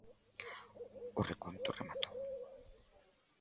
O reconto rematou.